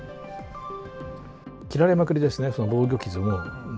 切られまくりですね。